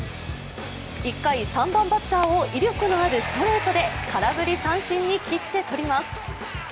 １回、３番バッターを威力のあるストレートで空振り三振にきって取ります。